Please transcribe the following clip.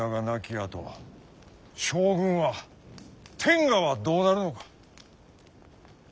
あと将軍は天下はどうなるのか。